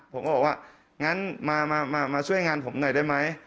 ผมก็บอกว่างั้นมาช่วยงานผมหน่อยได้ไหม